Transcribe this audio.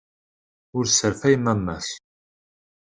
Ur sserfay mamma-s.